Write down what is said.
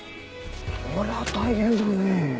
そりゃ大変だね。